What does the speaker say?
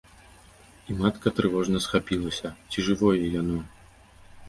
І матка трывожна схапілася, ці жывое яно.